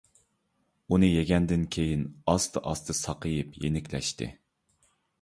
ئۇنى يېگەندىن كېيىن ئاستا - ئاستا ساقىيىپ يېنىكلەشتى.